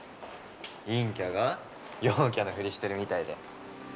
隠キャが陽キャのフリしてるみたいで。